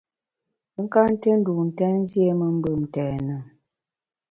Pe ka nté ndun ntèn, nziéme mbùm ntèn e ?